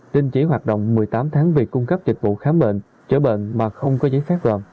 đình chỉ hoạt động một mươi tám tháng vì cung cấp dịch vụ khám bệnh chữa bệnh mà không có giới phép gồm